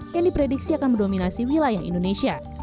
yang diprediksi akan mendominasi wilayah indonesia